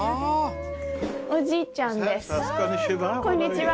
こんにちは。